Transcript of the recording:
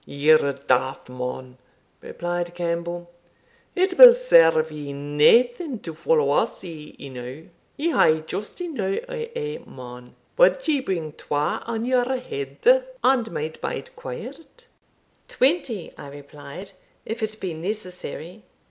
"Ye're daft, man," replied Campbell; "it will serve ye naething to follow us e'enow; ye hae just enow o' ae man wad ye bring twa on your head, and might bide quiet?" "Twenty," I replied, "if it be necessary."